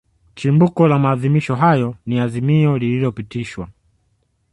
Chimbuko la maadhimisho hayo ni Azimio lililopitishwa